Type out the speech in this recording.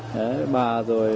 đấy bà rồi